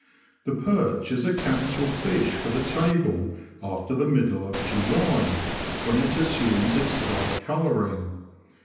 The perch is a capital fish for the table after the middle of July, when it assumes its bright colouring.